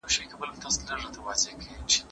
د خپل خواشینیو بدلول په درواغجنۍ خوښۍ سره